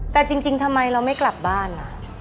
แต่จริงทำไมเราไม่กลับบ้าน